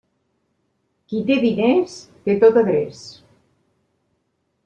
Qui té diners té tot adreç.